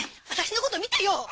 私のこと見てよ！